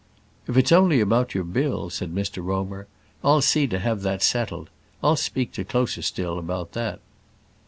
"If it's only about your bill," said Mr Romer, "I'll see to have that settled. I'll speak to Closerstil about that."